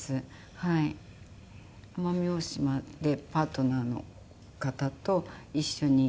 奄美大島でパートナーの方と一緒に。